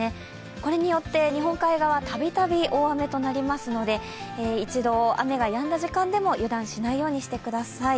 これによって日本海側、たびたび大雨となりますので一度、雨がやんだ時間でも油断しないようにしてください。